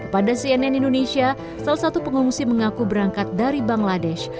pada cnn indonesia salah satu pengungsi mengaku berangkat dari bangladesh